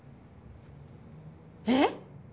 えっ！？